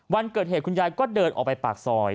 วันเกิดเหตุคุณยายก็เดินออกไปปากซอย